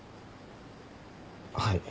はい。